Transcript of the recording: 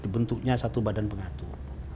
dibentuknya satu badan pengatur